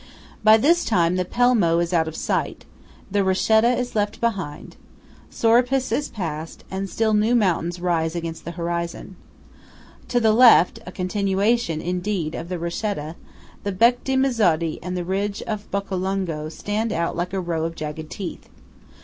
By this time the Pelmo is out of sight, the Rochetta is left behind, Sorapis is passed, and still new mountains rise against the horizon. To the left–a continuation, indeed, of the Rochetta–the Bec di Mezzodi and the ridge of Beccolungo, stand out like a row of jagged teeth.